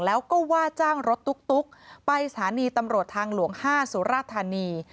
แล้วก็ว่าจ้างรถตุ๊กไปสถานีตำรวจทางหลวง๕สุรธานี